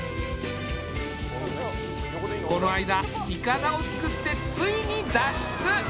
この間いかだを作ってついに脱出！